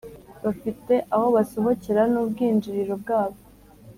bafite aho basohokera n'ubwinjiriro bwabo,